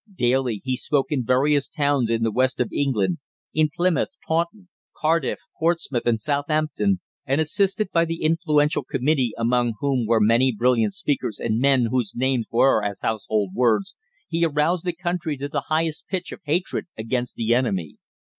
Daily he spoke in the various towns in the West of England, in Plymouth, Taunton, Cardiff, Portsmouth, and Southampton, and, assisted by the influential committee among whom were many brilliant speakers and men whose names were as household words, he aroused the country to the highest pitch of hatred against the enemy.